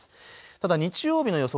ただ日曜日の予想